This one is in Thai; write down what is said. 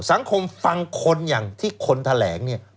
สังคมฟังคนอย่างที่คนแทลก